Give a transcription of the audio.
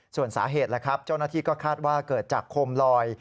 ส่วนสาเหตุล่ะครับเจ้าหน้าที่ก็คาดว่าเกิดจากโคมลอย